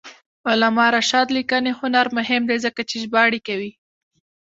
د علامه رشاد لیکنی هنر مهم دی ځکه چې ژباړې کوي.